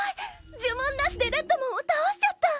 じゅもんなしでレッドモンをたおしちゃった！